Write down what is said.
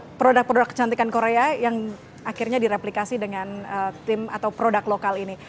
ada produk produk kecantikan korea yang akhirnya direplikasi dengan tim atau produk lokal ini